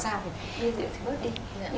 bia rượu thì bớt đi